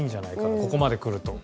ここまで来ると。